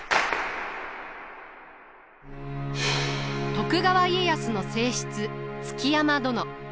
徳川家康の正室築山殿。